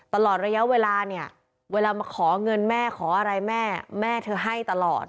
ตลอดระยะเวลาเนี่ยเวลามาขอเงินแม่ขออะไรแม่แม่เธอให้ตลอด